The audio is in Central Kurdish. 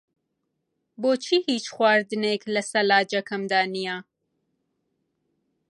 بۆچی هیچ خواردنێک لە سەلاجەکەمدا نییە؟